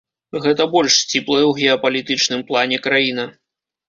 Гэта больш сціплая ў геапалітычным плане краіна.